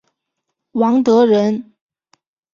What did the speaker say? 王德人。